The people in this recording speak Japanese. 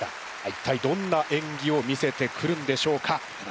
一体どんなえんぎを見せてくるんでしょうか。